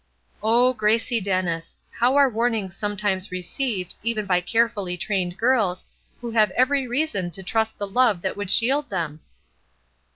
Oh, Gracie Dennis! How are warnings sometimes received, even by carefully trained girls, who have every reason to trust the love that would shield them?